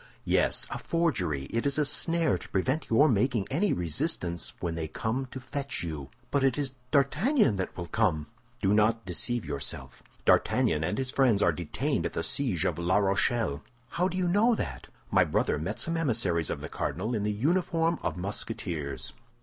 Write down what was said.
"Yes, a forgery; it is a snare to prevent your making any resistance when they come to fetch you." "But it is D'Artagnan that will come." "Do not deceive yourself. D'Artagnan and his friends are detained at the siege of La Rochelle." "How do you know that?" "My brother met some emissaries of the cardinal in the uniform of Musketeers.